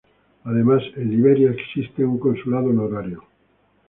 Además, en Liberia existen un consulado honorario.